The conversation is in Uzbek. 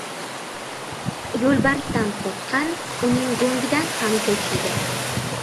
• Yo‘lbarsdan qo‘rqqan uning go‘ngidan ham cho‘chiydi.